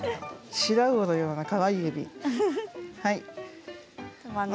白魚のような、かわいい指。